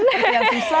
seperti yang bisa